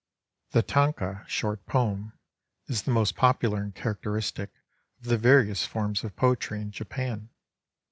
The Tanka (short poen) is the moat popular and characteristic of the various forms of poetry in Japan.